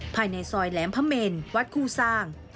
ภายในซอยแหลมพระเมนวัดคู่สร้าง